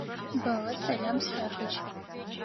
Бэллэ сэлам сфяхыжь.